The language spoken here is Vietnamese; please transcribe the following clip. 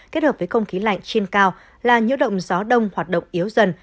kết hợp với không khí lạnh trên cao là nhiễu động gió đông hoạt động yếu dần